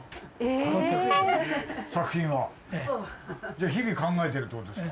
じゃあ日々考えてるってことですか？